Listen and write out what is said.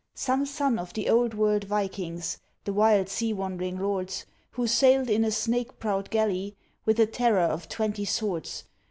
Some son of the old world Vikings, the wild sea wandering lords, Who sailed in a snake prowed galley, with a terror of twenty swords.